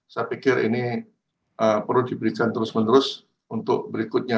saya pikir ini perlu diberikan terus menerus untuk berikutnya